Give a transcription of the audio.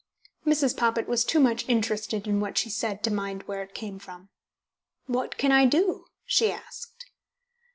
Mrs. Poppit was too much interested in what she said to mind where it came from. "What can I do?" she asked.